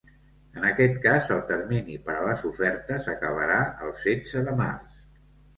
En aquest cas, el termini per a les ofertes acabarà el setze de març.